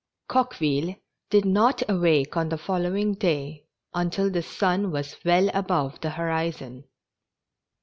[OQUEVILLE did not awake on the following day, until the sun was well above the horizon.